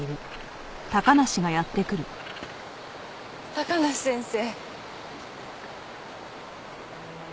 高梨先生。